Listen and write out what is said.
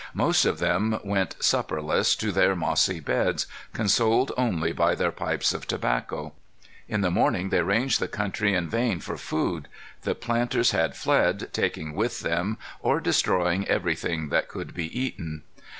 Most of them went supperless to their mossy beds, consoled only by their pipes of tobacco. In the morning they ranged the country in vain for food. The planters had fled, taking with them or destroying everything that could be eaten.